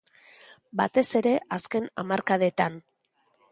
Batez ere azken hamarkadetan.